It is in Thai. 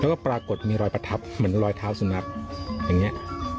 แล้วก็ปรากฏมีรอยประทับเหมือนรอยเท้าสุนัขอย่างนี้